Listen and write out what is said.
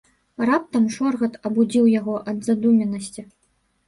Раптам шоргат абудзіў яго ад задуменнасці.